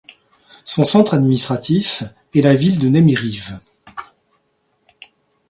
Son centre administratif est la ville de Nemyriv.